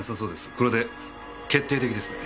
これで決定的ですね。